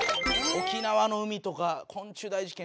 「沖縄の海」とか「昆虫大事件」